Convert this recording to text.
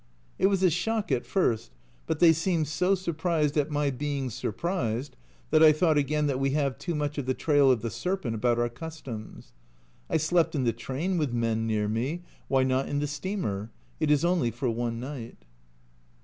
It was a shock at first, but they seemed so surprised at my being surprised, that I thought again that we have too much of the trail of the serpent about our customs. I slept in the train with men near me, why not in the steamer? It is only for one night.